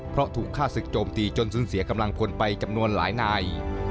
เพราะถูกฆ่าศึกโจมตีจนสูญเสียกำลังพลไปจำนวนหลายนาย